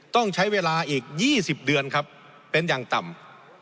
ต้องใช้เวลาอีก๒๐เดือนครับเป็นอย่างต่ำ